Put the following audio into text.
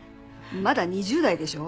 まだ２０代でしょ？